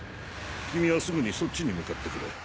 君はすぐにそっちに向かってくれ。